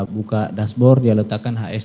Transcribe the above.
buka dashboard dia letakkan hs